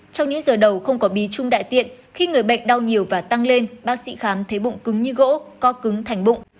trong những giờ đầu không có bí trung đại tiện khi người bệnh đau nhiều và tăng lên bác sĩ khám thấy bụng cứng như gỗ co cứng thành bụng